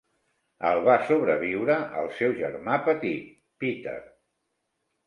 El va sobreviure el seu germà petit Peter.